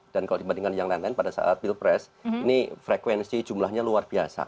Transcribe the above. dan kalau dibandingkan yang lain lain pada saat pilpres ini frekuensi jumlahnya luar biasa